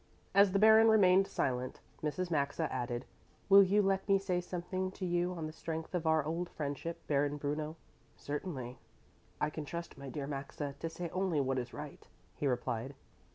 As the Baron remained silent, Mrs. Maxa added, "Will you let me say something to you on the strength of our old friendship, Baron Bruno?" "Certainly. I can trust my dear Maxa to say only what is right," he replied.